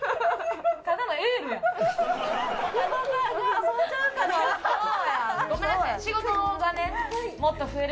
ただのエールやん。